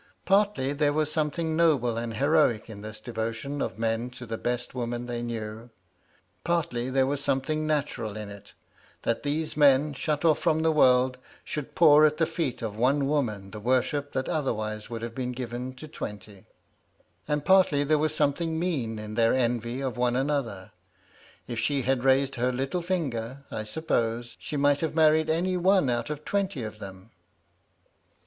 Partly, there was something noble and heroic in this devotion of men to the best woman they knew; partly there was something natural in it, that these men, shut off from the world, should pour at the feet of one woman the worship that otherwise would have been given to twenty; and partly there was something mean in their envy of one another. If she had raised her little finger, I suppose, she might have married any one out of twenty of them.